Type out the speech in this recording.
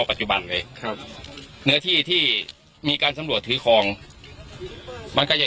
ปัจจุบันเลยครับเนื้อที่ที่มีการสำรวจถือคลองมันก็จะ